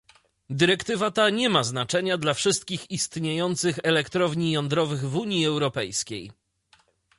Dyrektywa ta nie ma znaczenia dla wszystkich istniejących elektrowni jądrowych w Unii Europejskiej